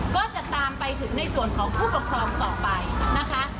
ก็จะตามไปถึงในส่วนของผู้ปกครองต่อไปนะคะ